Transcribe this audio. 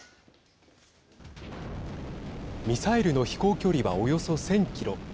ミサイルの飛行距離はおよそ１０００キロ